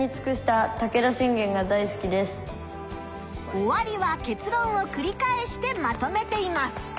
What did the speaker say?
おわりは結論をくり返してまとめています。